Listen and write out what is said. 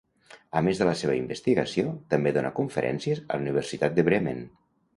A més de la seva investigació, també dóna conferències a la Universitat de Bremen.